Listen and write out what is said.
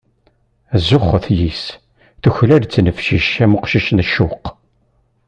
Zuxet yis-s, tuklal ttnefcic am uqcic n ccuq.